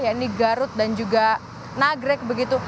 ya ini garut dan juga nagrek begitu